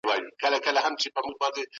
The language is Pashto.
استاد وویل چي پښتو زموږ د ملي هویت نښه ده.